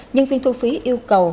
nhân viên thu phí yêu cầu